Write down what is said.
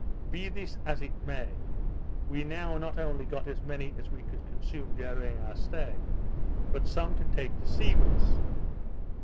Be this as it may, we now not only got as many as we could consume during our stay, but some to take to sea with us.